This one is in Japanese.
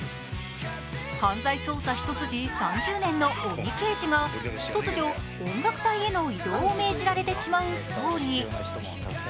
犯罪捜査一筋３０年の鬼刑事が突如、音楽隊への異動を命じられてしまうストーリー。